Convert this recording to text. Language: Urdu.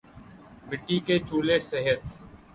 مٹی کے چولہے صحت